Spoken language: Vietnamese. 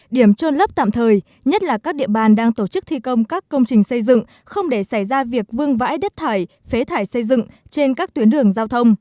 điểm trôn lấp tạm thời nhất là các địa bàn đang tổ chức thi công các công trình xây dựng không để xảy ra việc vương vãi đất thải phế thải xây dựng trên các tuyến đường giao thông